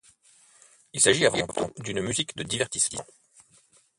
Il s’agit avant tout d’une musique de divertissement.